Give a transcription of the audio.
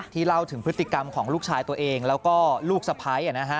เล่าถึงพฤติกรรมของลูกชายตัวเองแล้วก็ลูกสะพ้าย